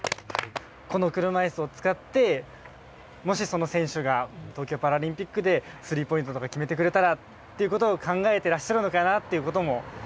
この車いすを使ってもしその選手が東京パラリンピックでスリーポイントとか決めてくれたらっていうことを考えてらっしゃるのかなっていうことも含めての。